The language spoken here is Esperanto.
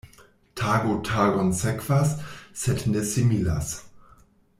Tago tagon sekvas, sed ne similas.